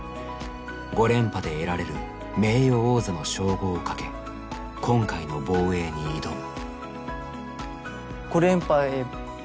５連覇で得られる名誉王座の称号をかけ今回の防衛に挑む。